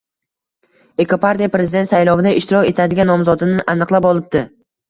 Ekopartiya prezident saylovida ishtirok etadigan nomzodini aniqlab olibdi.